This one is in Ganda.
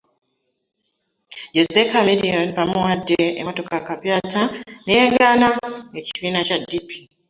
Jose Chameleon bamuwadde emmotoka kapyata ne yeegaana ekibiina Kya DP.